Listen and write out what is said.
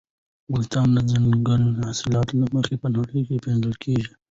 افغانستان د ځنګلي حاصلاتو له مخې په نړۍ کې پېژندل کېږي.